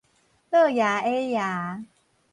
躼爺矮爺